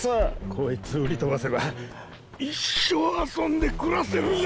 こいつを売りとばせば一生遊んでくらせるぜ。